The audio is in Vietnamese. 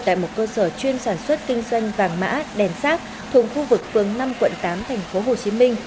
tại một cơ sở chuyên sản xuất kinh doanh vàng mã đèn sát thuồng khu vực phường năm quận tám tp hcm